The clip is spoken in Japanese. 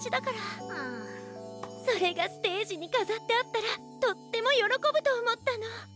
それがステージにかざってあったらとってもよろこぶとおもったの。